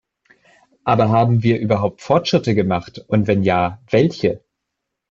Aber haben wir überhaupt Fortschritte gemacht, und wenn ja, welche?